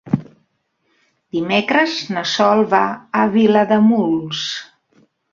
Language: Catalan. Dimecres na Sol va a Vilademuls.